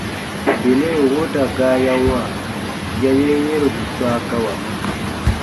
Benɛn wooda gaa ya wãa ya yen yɛ̃robu swa gawamɔ.